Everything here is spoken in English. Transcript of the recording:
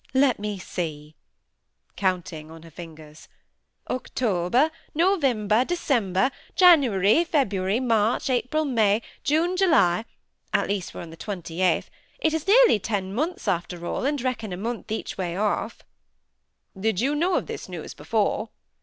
Let me see"—counting on her fingers,—"October, November, December, January, February, March, April, May, June, July,—at least we're at the 28th,—it is nearly ten months after all, and reckon a month each way off—" "Did you know of this news before?"